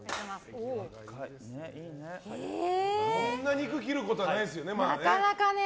こんな肉切ることはないですよね。